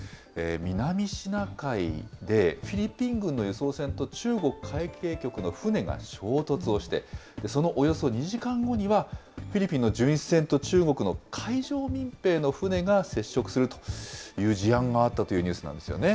南シナ海で、フィリピン軍の輸送船と中国海警局の船が衝突をして、そのおよそ２時間後には、フィリピンの巡視船と中国の海上民兵の船が接触するという事案があったというニュースなんですよね。